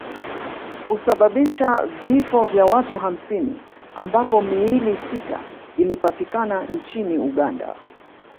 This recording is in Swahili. kusababisha vifo vya watu hamsini ambapo miili sita ilipatikana nchini Uganda